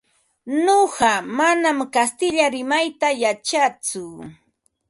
Nuqa manam kastilla rimayta yachatsu.